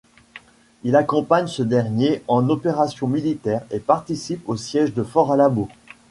Il accompagne ce dernier en opération militaire et participe au siège de Fort Alamo.